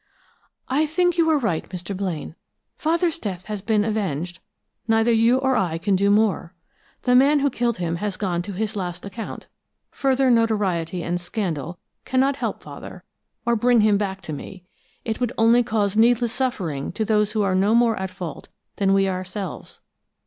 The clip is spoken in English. "I think you are right, Mr. Blaine. Father's death has been avenged; neither you nor I can do more. The man who killed him has gone to his last account. Further notoriety and scandal cannot help Father, or bring him back to me. It would only cause needless suffering to those who are no more at fault than we ourselves.